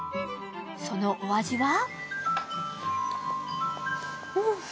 そのお味は？